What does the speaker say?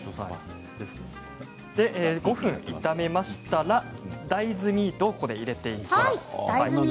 ５分炒めましたら大豆ミートをここで入れていきます。